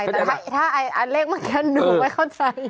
แต่ถ้าอ่านเลขเมื่อกี้หนูไม่เข้าใจ